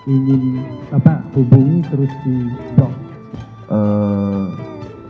ingin hubungi terus diblok